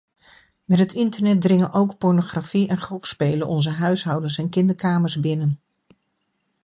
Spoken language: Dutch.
Met het internet dringen ook pornografie en gokspelen onze huishoudens en kinderkamers binnen.